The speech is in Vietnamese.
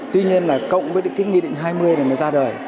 tuy nhiên là cộng với cái nghị định hai mươi này mới ra đời